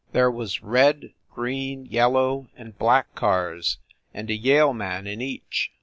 There was red, green, yellow and black cars, and a Yale man in each.